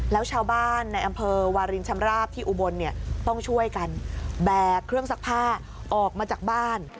แล้วชาวบ้านในอำเภอวารินชำราบที่อุบลเนี่ยต้องช่วยกันแบกเครื่องซักผ้าออกมาจากบ้าน